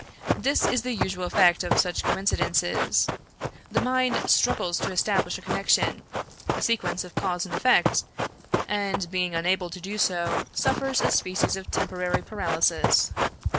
This is the usual effect of such coincidences. The mind struggles to establish a connection — a sequence of cause and effect — and, being unable to do so, suffers a species of temporary paralysis.